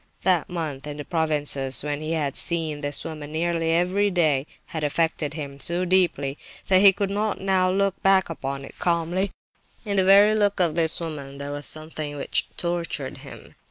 That month in the provinces, when he had seen this woman nearly every day, had affected him so deeply that he could not now look back upon it calmly. In the very look of this woman there was something which tortured him.